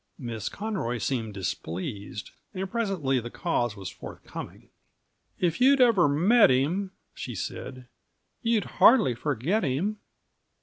Miss Conroy seemed displeased, and presently the cause was forthcoming. "If you'd ever met him," she said, "you'd hardly forget him."